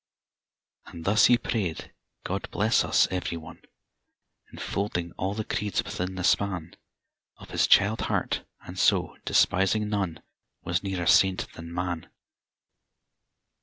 And thus he prayed, " God bless us every one!" Enfolding all the creeds within the span Of his child heart; and so, despising none, Was nearer saint than man.